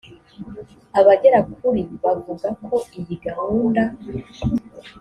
abagera kuri bavuga ko iyi gahunda